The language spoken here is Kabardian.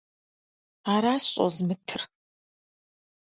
Аращ щӀозмытыр!